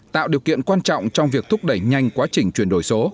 tạo điều kiện quan trọng trong việc thúc đẩy nhanh quá trình chuyển đổi số